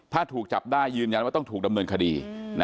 ถ้าถูกจับได้ยืนยันว่าต้องถูกดำเนินคดี